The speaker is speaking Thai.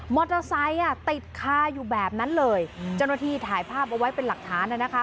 มอเตอร์ไซต์ติดคาอยู่แบบนั้นเลยจนโนที่ถ่ายภาพเอาไว้เป็นหลักฐานนะคะ